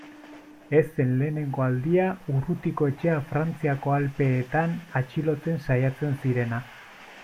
Ez zen lehenengo aldia Urrutikoetxea Frantziako Alpeetan atxilotzen saiatzen zirena.